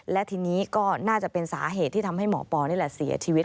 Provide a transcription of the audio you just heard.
และทีนี้ก็น่าจะเป็นสาเหตุที่ทำให้หมอปอนี่แหละเสียชีวิต